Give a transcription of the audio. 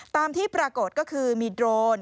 ตามที่ปรากฏก็คือมีโดรน